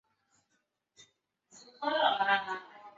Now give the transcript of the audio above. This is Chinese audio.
双方藉由与国内众多的内容提供商合作获取正版节目资源。